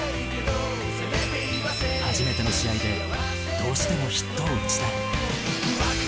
初めての試合でどうしてもヒットを打ちたい。